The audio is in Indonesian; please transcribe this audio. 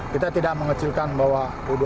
kita tidak mengecilkan bahwa u dua puluh tiga